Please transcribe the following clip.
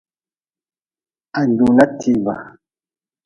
Ha jula tiibe.